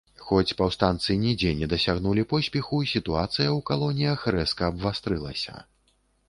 Хоць паўстанцы нідзе не дасягнулі поспеху, сітуацыя ў калоніях рэзка абвастрылася.